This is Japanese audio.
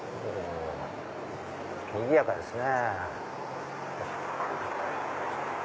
にぎやかですね。